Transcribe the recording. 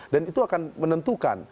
dan itu akan menentukan